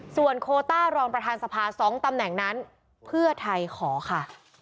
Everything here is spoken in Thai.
ส่วนโคต้ารองประธานสภา๒ตำแหน่งนั้นเพื่อไทยขอค่ะ